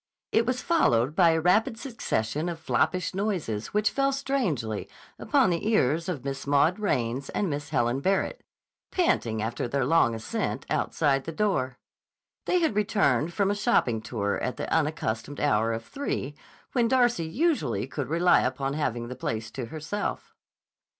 It was followed by a rapid succession of floppish noises which fell strangely upon the ears of Miss Maud Raines and Miss Helen Barrett, panting after their long ascent, outside the door. They had returned from a shopping tour at the unaccustomed hour of three when Darcy usually could rely upon having the place to herself.